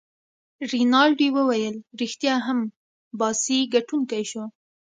رینالډي وویل: ريښتیا هم، باسي ګټونکی شو.